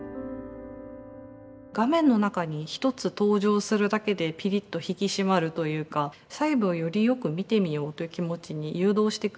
画面の中に１つ登場するだけでピリッと引き締まるというか細部をよりよく見てみようという気持ちに誘導してくれる。